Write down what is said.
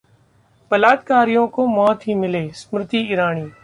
बलात्कारियों को मौत ही मिले: स्मृति ईरानी